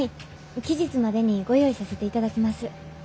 期日までにご用意させていただきます。